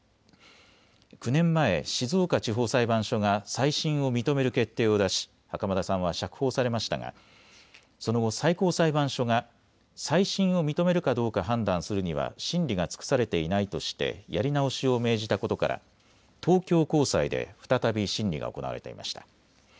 ９年前、静岡地方裁判所が再審を認める決定を出し袴田さんは釈放されましたが、その後、最高裁判所が再審を認めるかどうか判断するには審理が尽くされていないとしてやり直しを命じたことから東京高裁で再び審理が行われていました。